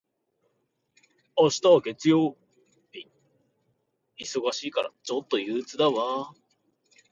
月曜日は忙しいから、ちょっと憂鬱だわ。